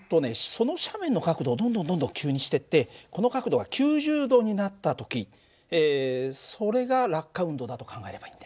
その斜面の角度をどんどん急にしていってこの角度が９０度になった時それが落下運動だと考えればいいんだよ。